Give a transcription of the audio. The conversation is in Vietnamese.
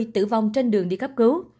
tử vong trên đường đi cấp cứu